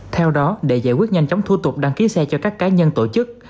theo đó để giải quyết nhanh chóng thu tục đăng ký xe cho các cá nhân tổ chức